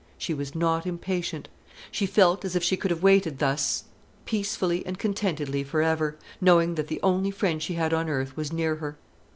She was not impatient. She felt as if she could have waited thus peacefully and contentedly for ever, knowing that the only friend she had on earth was near her.